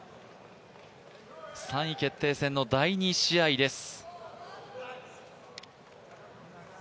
３位決定戦の第２試合です。